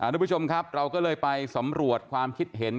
ทุกผู้ชมครับเราก็เลยไปสำรวจความคิดเห็น